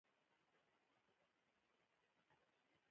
د پانګونې او نوښتونو د رامنځته کولو لپاره و.